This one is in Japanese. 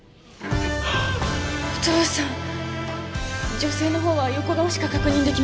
女性のほうは横顔しか確認できません。